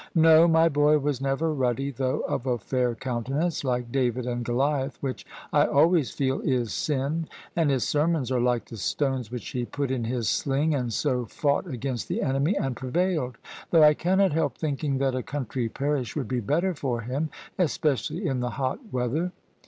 " No : my boy was never ruddy, though of a fair counte nance, like David and Goliath which I always feel is Sin, and his sermons are like the stones which he put in his sling, and so fought against the enemy and prevailed, though I cannot help thinking that a country parish would be better for him — especially in the hot weather.